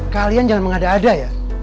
kalian jangan mengada ada ya